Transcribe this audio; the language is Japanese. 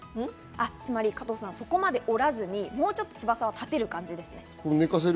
加藤さん、そこまで折らずに、もうちょっと翼を立てる感じです。